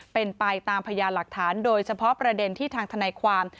เป็นไปตามพยานหลักฐานโดยเฉพาะประเด็นที่ทางทนายความ